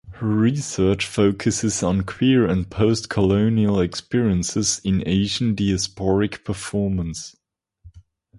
Her research focuses on queer and postcolonial experiences in Asian diasporic performance.